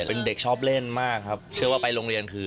เป็นเด็กชอบเล่นมากครับเชื่อว่าไปโรงเรียนคือ